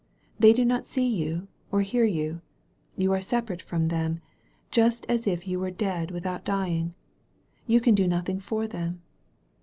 They do not see you or hear you. You are separate from them — just as if you were dead without dying. You can do nothing for them.